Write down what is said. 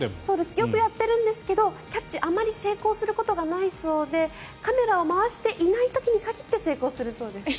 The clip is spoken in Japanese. よくやってるんですけどキャッチ、あまり成功することがないそうでカメラを回していない時に限って成功するそうです。